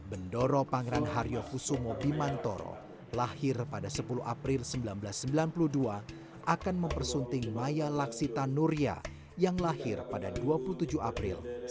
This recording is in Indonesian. bendoro pangeran haryokusumo bimantoro lahir pada sepuluh april seribu sembilan ratus sembilan puluh dua akan mempersunting maya laksita nuria yang lahir pada dua puluh tujuh april seribu sembilan ratus empat puluh